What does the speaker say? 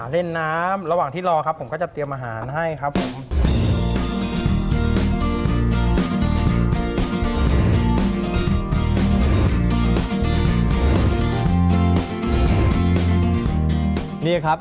เล่นน้ำระหว่างที่รอครับผมก็จะเตรียมอาหารให้ครับผม